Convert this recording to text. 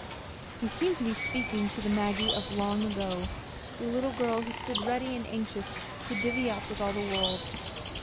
He seemed to be speaking to the Maggie of long ago the little girl who stood ready and anxious to "divvy up" with all the world.